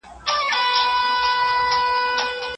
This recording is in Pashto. علمي استدلال تر احساساتي خبرو ډېر ارزښت لري.